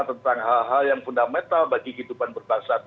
tentang hal hal yang fundamental bagi kehidupan berbangsaan